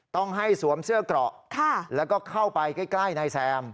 ต้องให้สวมเสื้อเกราะแล้วก็เข้าไปใกล้นายแซม